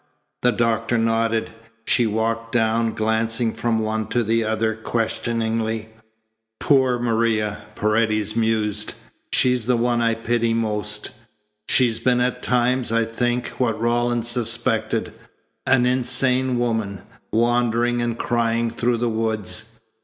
The doctor nodded. She walked down, glancing from one to the other questioningly. "Poor Maria!" Paredes mused. "She's the one I pity most. She's been at times, I think, what Rawlins suspected an insane woman, wandering and crying through the woods.